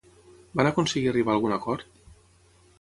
Van aconseguir arribar a algun acord?